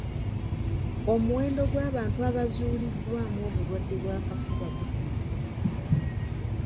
Omuwendo gw'abantu abazuuliddwamu obulwadde bw'akafuba gutiisa.